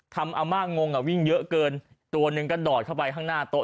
อาม่างงอ่ะวิ่งเยอะเกินตัวหนึ่งก็ดอดเข้าไปข้างหน้าโต๊